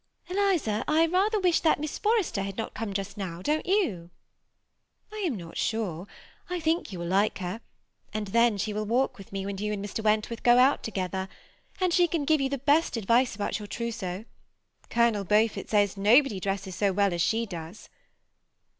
Eliza, I rather wish that Miss Forrester had not come just now, don't you ?"^ I am not sure ; I think you will like her ; and then she will walk with me when you and Mr. Wentworth go out together ; and she can give you the best advice about your trousseau. Colonel Beaufort says nobody dresses so well as she does."